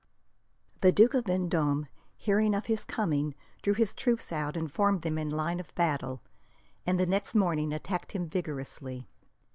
The Duke of Vendome, hearing of his coming, drew his troops out and formed them in line of battle, and the next morning attacked him vigorously.